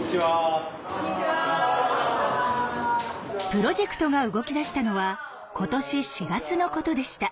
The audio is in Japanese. プロジェクトが動きだしたのは今年４月のことでした。